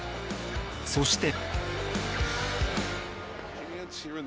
そして。